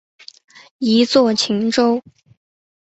一作晴州。